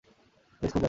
Please, খুব দরকার।